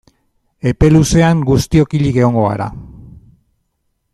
Epe luzean guztiok hilik egongo gara.